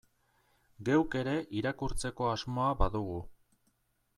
Geuk ere irakurtzeko asmoa badugu.